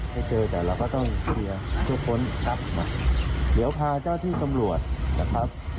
ให้เจอแต่เราก็ต้องเคลียร์ทุกคนครับเดี๋ยวพาเจ้าที่ตำรวจนะครับ